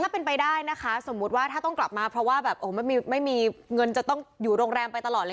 ถ้าเป็นไปได้นะคะสมมุติว่าถ้าต้องกลับมาเพราะว่าแบบไม่มีเงินจะต้องอยู่โรงแรมไปตลอดเลย